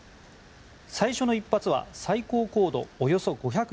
最初の１発は最高高度およそ５４０ｋｍ